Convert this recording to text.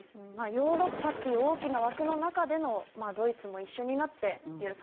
ヨーロッパっていう大きな枠の中でのまあドイツも一緒になって許さないぞっていう事が。